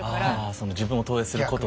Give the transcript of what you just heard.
その自分を投影することで。